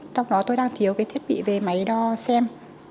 trong đó tôi đang thiếu cái thiết bị về máy đo xem